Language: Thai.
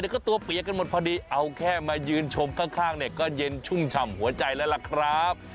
ก็ตัวเปียกกันหมดพอดีเอาแค่มายืนชมข้างเนี่ยก็เย็นชุ่มฉ่ำหัวใจแล้วล่ะครับ